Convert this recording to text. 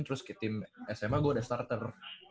terus tim sma gue udah starter